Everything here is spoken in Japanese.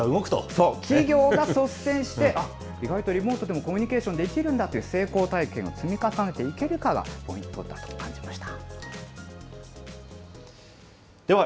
そう、企業が率先して、あっ、意外とリモートでもコミュニケーションできるんだっていう成功体験を積み重ねていけるかがポイントだと感じました。